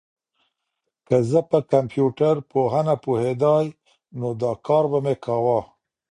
که زه په کمپيوټر پوهنه پوهېدای، نو دا کار به مي کاوه.